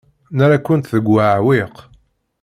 Nerra-kent deg uɛewwiq.